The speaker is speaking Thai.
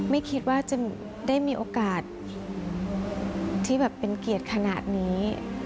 ไม่คิดว่าจะได้มีโอกาสที่แบบเป็นเกียรติขนาดนี้